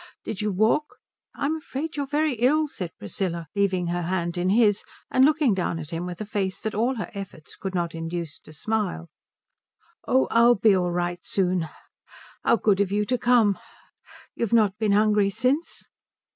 Did you walk?" "I'm afraid you are very ill," said Priscilla, leaving her hand in his and looking down at him with a face that all her efforts could not induce to smile. "Oh I'll be all right soon. How good of you to come. You've not been hungry since?"